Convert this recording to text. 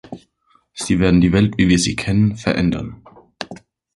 Sie werden die Welt, wie wir sie kennen, verändern.